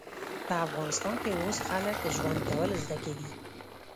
په افغانستان کې اوس خلک ژوند کول زده کوي